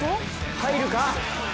入るか？